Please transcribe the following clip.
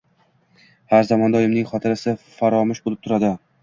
Har zamonda oyimning xotirasi faromush bo`lib turadi